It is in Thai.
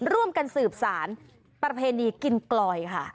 ร่วมกันสืบสารประเพณีกินกลอยค่ะ